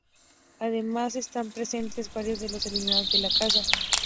Además, están presentes varios de los eliminados de la casa.